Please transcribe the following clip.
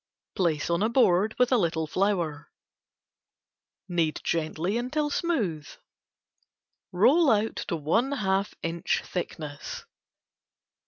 Place on a board with a little flour. Knead gently until smooth. Roll out to one half inch thickness.